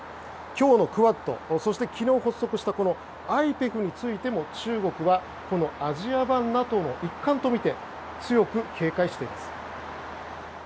今日のクアッドそして昨日発足したＩＰＥＦについても中国はアジア版ＮＡＴＯの一環とみて強く警戒しています。